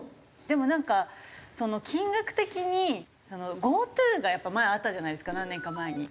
でもなんか金額的にＧｏＴｏがやっぱ前あったじゃないですか何年か前に。